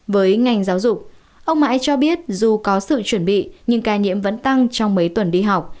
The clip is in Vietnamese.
với ngành giáo dục ông mãi cho biết dù có sự chuẩn bị nhưng ca nhiễm vẫn tăng trong mấy tuần đi học